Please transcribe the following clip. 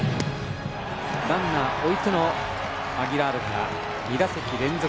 ランナー置いてのアギラールから２打席連続で三振。